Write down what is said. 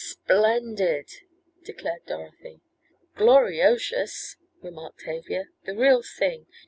"Splendid!" declared Dorothy. "Gloriotious!" remarked Tavia, "the real thing.